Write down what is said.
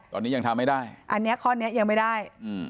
ตอนนี้ยังทำไม่ได้อันนี้ข้อนี้ยังไม่ได้อืม